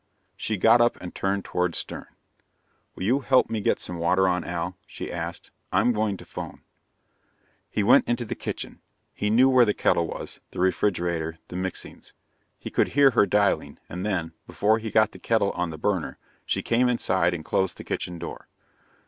She got up and turned toward Stern. "Will you help me get some water on, Al?" she asked. "I'm going to phone." He went into the kitchen. He knew where the kettle was, the refrigerator, the mixings. He could hear her dialing, and then, before he got the kettle on the burner, she came inside and closed the kitchen door.